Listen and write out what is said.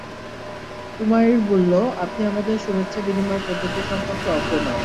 উমাইর বলল, আপনি আমাদের শুভেচ্ছা বিনিময় পদ্ধতি সম্পর্কে অজ্ঞ নন।